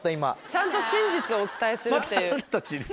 ちゃんと真実をお伝えするっていう。